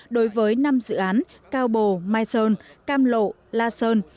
đối với năm dự án cao bồ mai sơn cam lộ la sơn